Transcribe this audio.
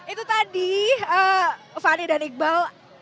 itu tadi fani dan iqbal